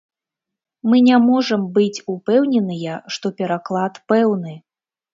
Мы не можам быць упэўненыя, што пераклад пэўны.